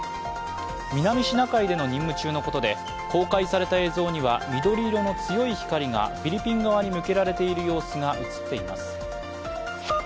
南シナ海での任務中のことで、公開された映像には緑色の強い光がフィリピン側に向けられている様子が映っています。